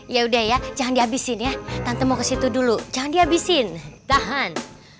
ya udah ya jangan dihabisin ya tante mau ke situ dulu jangan dihabisin tahan